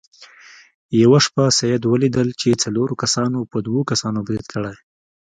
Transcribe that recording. یوه شپه سید ولیدل چې څلورو کسانو په دوو کسانو برید کړی.